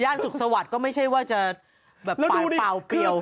สุขสวัสดิ์ก็ไม่ใช่ว่าจะแบบเป่าเปรี้ยว